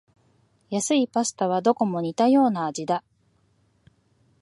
安いパスタはどこも似たような味だ